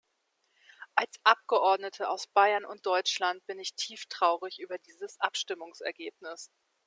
Als Abgeordnete aus Bayern und Deutschland bin ich tief traurig über dieses Abstimmungsergebnis.